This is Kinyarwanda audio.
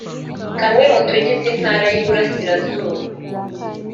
kamwe mu tugize Intara y’Iburasirazuba